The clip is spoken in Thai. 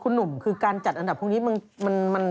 หนุ่มคือการจัดอันดับพวกนี้